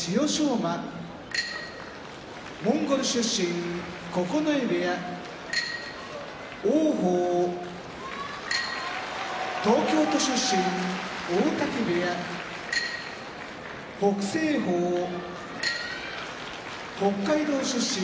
馬モンゴル出身九重部屋王鵬東京都出身大嶽部屋北青鵬北海道出身